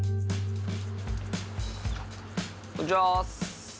こんにちはっす。